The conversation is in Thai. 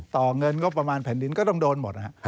ต่อเงินก็ประมาณแผ่นดินก็ต้องโดนหมดนะฮะ